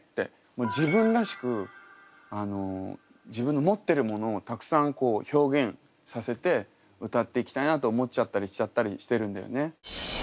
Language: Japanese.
もう自分らしく自分の持ってるものをたくさん表現させて歌っていきたいなって思っちゃったりしちゃったりしてるんだよね。